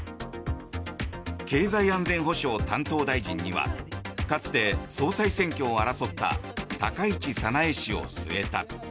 経済安全保障担当大臣にはかつて総裁選挙を争った高市早苗氏を据えた。